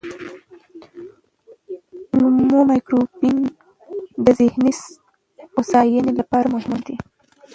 کولمو مایکروبیوم د ذهني هوساینې لپاره مهم دی.